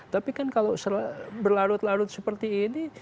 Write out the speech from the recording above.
tapi kan kalau berlarut larut seperti ini